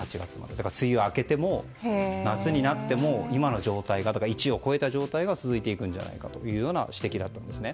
だから梅雨が開けて夏になって今の状態が、１を超えた状態が続いていくんじゃないかというご指摘だったんですね。